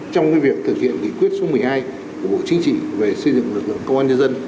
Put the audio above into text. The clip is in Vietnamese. trong việc thực hiện nghị quyết số một mươi hai của bộ chính trị về xây dựng lực lượng công an nhân dân